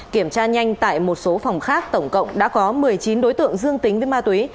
kiểm tra nhanh tại một số phòng khác tổng cộng đã có một mươi chín đối tượng dương tính với ma túy